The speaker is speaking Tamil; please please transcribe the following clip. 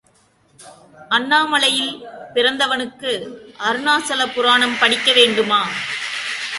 அண்ணாமலையில் பிறந்தவனுக்கு அருணாசல புராணம் படிக்க வேண்டுமா?